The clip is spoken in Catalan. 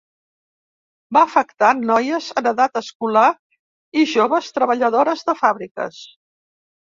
Va afectar noies en edat escolar i joves treballadores de fàbriques.